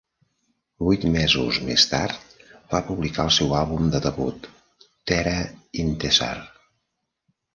Vuit mesos més tard, va publicar el seu àlbum de debut "Tera Intezar".